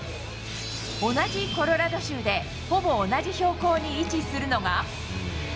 同じコロラド州でほぼ同じ標高に位置するのが。